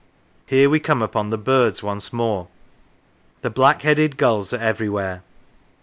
Here we come upon the birds once more. The black headed gulls are everywhere.